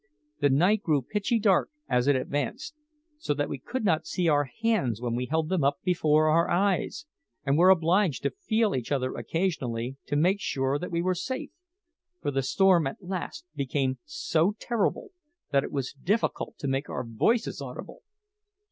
The night grew pitchy dark as it advanced, so that we could not see our hands when we held them up before our eyes, and were obliged to feel each other occasionally to make sure that we were safe, for the storm at last became so terrible that it was difficult to make our voices audible.